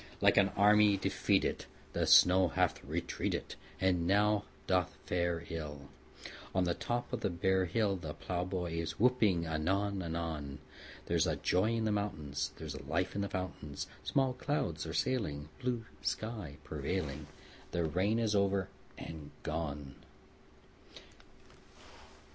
Like an army defeated The snow hath retreated, And now doth fare ill On the top of the bare hill; The plowboy is whooping anon anon: There's joy in the mountains; There's life in the fountains; Small clouds are sailing, Blue sky prevailing; The rain is over and gone!